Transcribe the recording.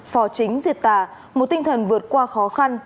phò chính diệt tà một tinh thần vượt qua khó khăn